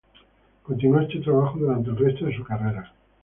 Continuó este trabajo durante el resto de su carrera.